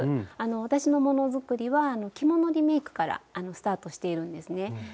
私のもの作りは着物リメイクからスタートしているんですね。